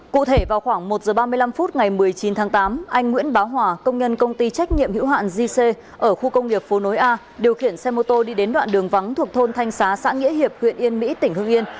cụ thể vào khoảng một h ba mươi năm phút ngày một mươi chín tháng tám anh nguyễn báo hòa công nhân công ty trách nhiệm hữu hạn gc ở khu công nghiệp phố nối a điều khiển xe mô tô đi đến đoạn đường vắng thuộc thôn thanh xá xã nghĩa hiệp huyện yên mỹ tỉnh hương yên